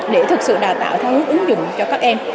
để thực sự đào tạo theo ứng dụng cho các em